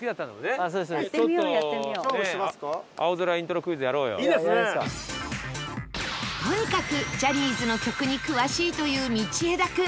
とにかくジャニーズの曲に詳しいという道枝君